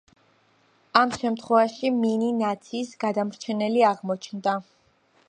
ამ შემთხვევაში მინი ნაციის გადამრჩენელი აღმოჩნდა.